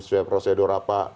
sesuai prosedur apa